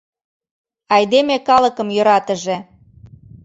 «Айдеме калыкым йӧратыже.